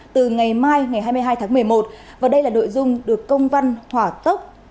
từ ngày mai ngày hai mươi hai tháng một mươi một và đây là nội dung được công văn hỏa tốc